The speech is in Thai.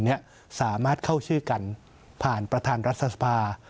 สามารถเข้าชื่อกันผ่านประธานรัฐสภา